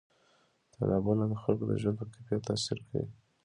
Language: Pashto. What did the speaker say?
تالابونه د خلکو د ژوند په کیفیت تاثیر کوي.